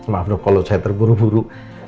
maaf dong kalau saya terburu buru